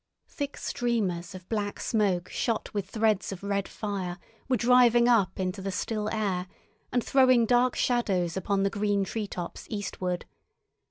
Thick streamers of black smoke shot with threads of red fire were driving up into the still air, and throwing dark shadows upon the green treetops eastward.